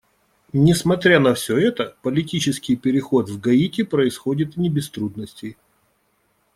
Несмотря на все это, политический переход в Гаити происходит не без трудностей.